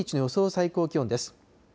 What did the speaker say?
最高気温です。